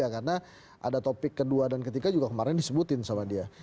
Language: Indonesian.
karena ada topik ke dua dan tiga juga kemarin disebutin sama dia